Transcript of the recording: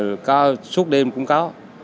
thôi thôi suốt đêm cũng có